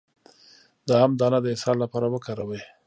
د ام دانه د اسهال لپاره وکاروئ